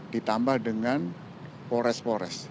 ditambah dengan pores pores